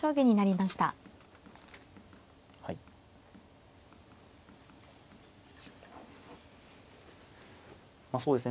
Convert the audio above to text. まあそうですね